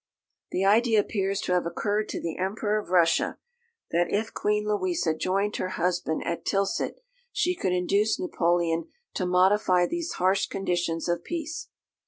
The idea appears to have occurred to the Emperor of Russia, that if Queen Louisa joined her husband at Tilsit she could induce Napoleon to modify these harsh conditions of peace.